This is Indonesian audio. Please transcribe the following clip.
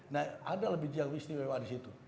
nah ada lebih yang istimewa di situ